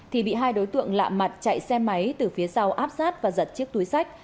thì bị hai đối tượng lạ mặt chạy xe máy từ phía sau áp sát và giật chiếc túi sách